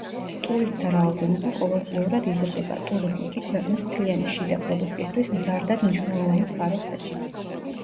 ტურისტთა რაოდენობა ყოველწლიურად იზრდება, ტურიზმი კი ქვეყნის მთლიანი შიდა პროდუქტისთვის მზარდად მნიშვნელოვანი წყარო ხდება.